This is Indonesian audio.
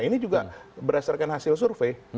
ini juga berdasarkan hasil survei